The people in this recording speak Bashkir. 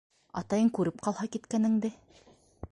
Атайың күреп ҡалһа киткәнеңде...